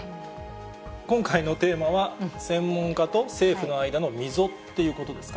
今回のテーマは、専門家と政府の間の溝っていうことですか？